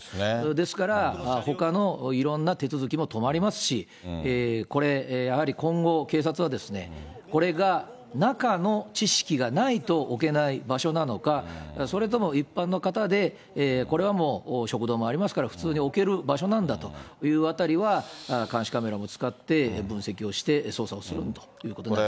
ですから、ほかのいろんな手続きも止まりますし、これ、やはり今後、警察は、これが中の知識がないと置けない場所なのか、それとも一般の方で、これはもう、食堂もありますから、普通に置ける場所なんだというあたりは、監視カメラも使って、分析をして、捜査をするということだと思います。